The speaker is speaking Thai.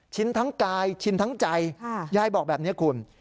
ทั้งกายชินทั้งใจยายบอกแบบนี้คุณ